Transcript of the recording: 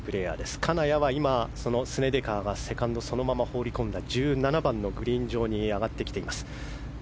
金谷は今、スネデカーがセカンドそのまま放り込んだ１７番のグリーン上に上がってきています。